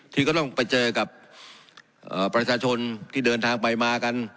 ที่ก็ต้องไปเจอกับประชาชนที่เดินทางไปมากัน